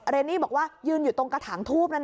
เนนี่บอกว่ายืนอยู่ตรงกระถางทูบแล้วนะ